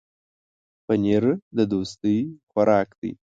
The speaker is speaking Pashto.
پنېر د دوستۍ خوراک دی.